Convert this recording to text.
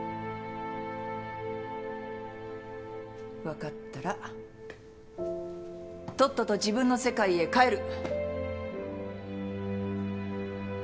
わかったらとっとと自分の世界へ帰る。